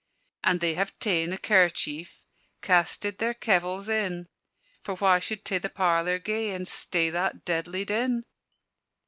And they have taen a kerchief, Casted their kevils in, For wha should tae the parlour gae, And stay that deadlie din.